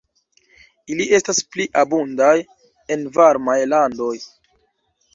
Ili estas pli abundaj en varmaj landoj.